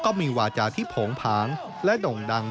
ก็มีวาจาที่โผงผางและด่งดัง